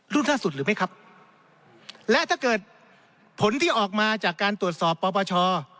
ล่าสุดหรือไม่ครับและถ้าเกิดผลที่ออกมาจากการตรวจสอบปปช